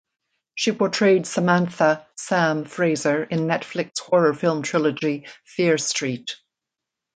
She portrayed Samantha "Sam" Fraser in Netflix horror film trilogy "Fear Street".